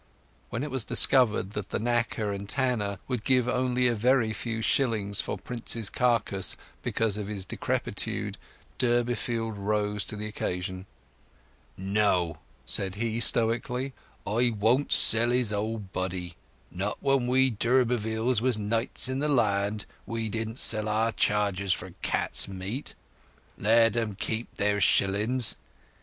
When it was discovered that the knacker and tanner would give only a very few shillings for Prince's carcase because of his decrepitude, Durbeyfield rose to the occasion. "No," said he stoically, "I won't sell his old body. When we d'Urbervilles was knights in the land, we didn't sell our chargers for cat's meat. Let 'em keep their shillings!